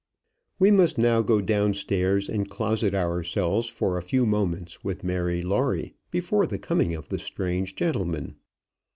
We must now go down stairs and closet ourselves for a few moments with Mary Lawrie before the coming of the strange gentleman.